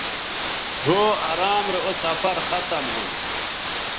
ڙھؤ ارام رے اوسفرختم ھون